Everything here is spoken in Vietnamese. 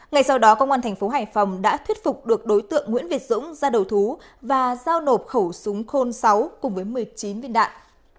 ngày sau đó công an tp hải phòng đã thuyết phục được đối tượng nguyễn việt dũng ra đầu thú và giao nộp khẩu súng khôn sáu cùng với một mươi chín viên đạn